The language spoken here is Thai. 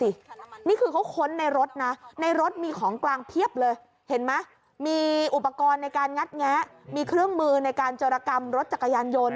เห็นไหมมีอุปกรณ์ในการงัดแงะมีเครื่องมือในการเจรกรรมรถจักรยานยนต์